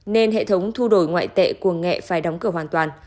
nên hệ thống thu đổi ngoại tệ của nghệ phải đóng cửa hoàn toàn